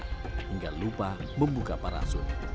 hingga lupa membuka parasut